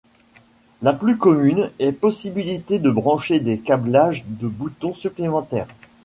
La plus commune est possibilité de brancher des câblages de boutons supplémentaires.